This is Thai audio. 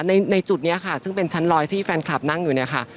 ในจุดนี้ค่ะซึ่งเป็นชั้นลอยที่แฟนคลับนั่งอยู่เนี่ยค่ะ